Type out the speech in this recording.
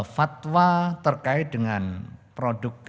fatwa terkait dengan produk